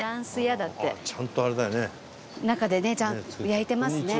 中でねちゃんと焼いてますね。